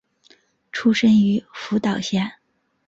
出身于福岛县。